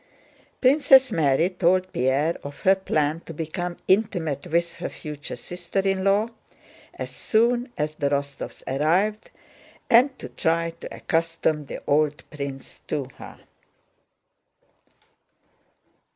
Princess Mary told Pierre of her plan to become intimate with her future sister in law as soon as the Rostóvs arrived and to try to accustom the old prince to her.